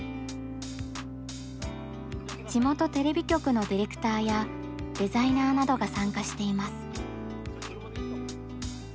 地元テレビ局のディレクターやデザイナーなどが参加しています。